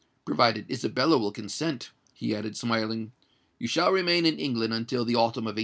Provided Isabella will consent," he added, smiling, "you shall remain in England until the autumn of 1843."